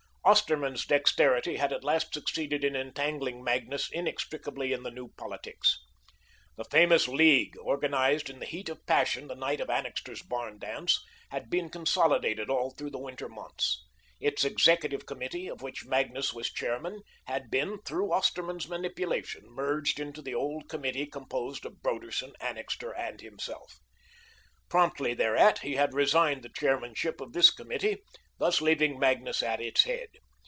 Osterman's dexterity had at last succeeded in entangling Magnus inextricably in the new politics. The famous League, organised in the heat of passion the night of Annixter's barn dance, had been consolidated all through the winter months. Its executive committee, of which Magnus was chairman, had been, through Osterman's manipulation, merged into the old committee composed of Broderson, Annixter, and himself. Promptly thereat he had resigned the chairmanship of this committee, thus leaving Magnus at its head.